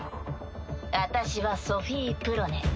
私はソフィ・プロネ。